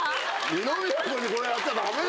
二宮君にこれやっちゃダメでしょ。